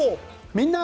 「みんな！